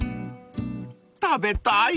［食べたい！］